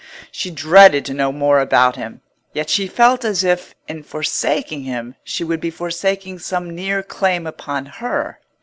She dreaded to know more about him, yet she felt as if, in forsaking him, she would be forsaking some near claim upon her.